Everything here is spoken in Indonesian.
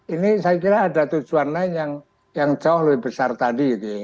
ini saya kira ada tujuan lain yang jauh lebih besar tadi gitu ya